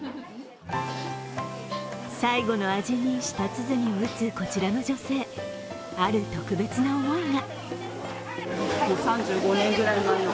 最後の味に舌鼓を打つこちらの女性ある特別な思いが。